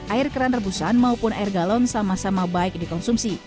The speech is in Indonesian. air keran rebusan maupun air galon sama sama baik dikonsumsi